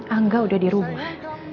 angga udah di rumah